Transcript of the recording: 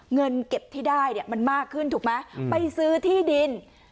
เงินเก็บที่ได้เนี่ยมันมากขึ้นถูกไหมไปซื้อที่ดิน